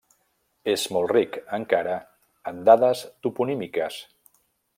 És molt ric, encara, en dades toponímiques.